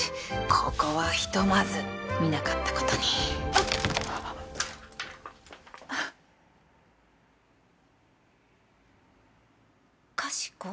ここはひとまず見なかった事にあっ！かしこ？